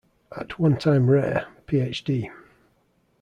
At one time rare, PhD.